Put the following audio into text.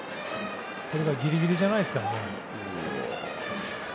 しかもギリギリじゃないですからね。